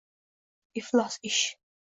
–Iflos ish.